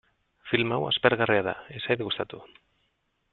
Film hau aspergarria da, ez zait gustatu.